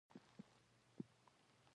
پنځه مادې لرلې.